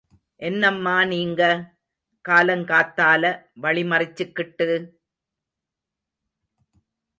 என்னம்மா நீங்க.. காலங்காத்தால வழிமறிச்சுக்கிட்டு?